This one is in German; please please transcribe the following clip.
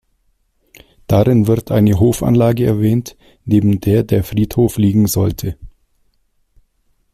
Darin wird eine Hofanlage erwähnt, neben der der Friedhof liegen sollte.